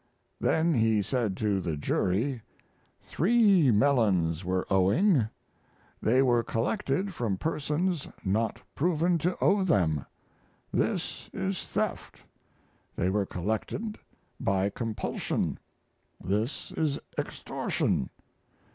Then he said to the jury: "Three melons were owing; they were collected from persons not proven to owe them: this is theft; they were collected by compulsion: this is extortion.